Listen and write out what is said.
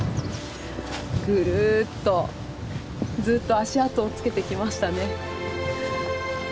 ぐるっとずっと足跡をつけてきましたね。